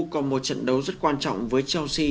còn một trận đấu rất quan trọng với chelsea